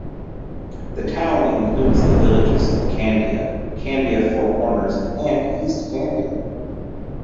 The town includes the villages of Candia, Candia Four Corners and East Candia.